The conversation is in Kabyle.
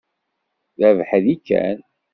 D abeḥri kan.